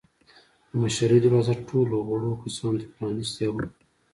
د مشرۍ دروازه ټولو وړو کسانو ته پرانیستې وه.